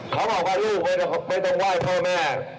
เขาบอกว่าลูกไม่ต้องไหว้พ่อแม่